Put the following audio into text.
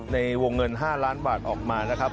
ในวงเงิน๕ล้านบาทออกมานะครับ